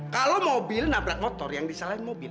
kalau mobil nabrak motor yang disalahin mobil